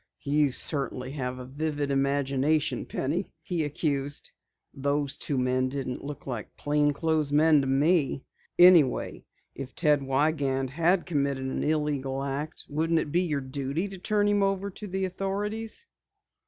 "You certainly have a vivid imagination, Penny," he accused. "Those two men didn't look like plain clothes men to me. Anyway, if Ted Wiegand had committed an illegal act, wouldn't it be your duty to turn him over to the authorities?"